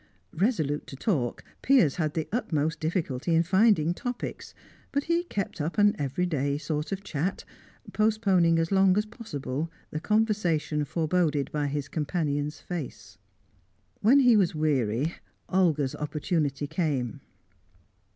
Resolute to talk, Piers had the utmost difficulty in finding topics, but he kept up an everyday sort of chat, postponing as long as possible the conversation foreboded by his companion's face. When he was weary, Olga's opportunity came.